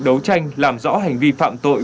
đấu tranh làm rõ hành vi phạm tội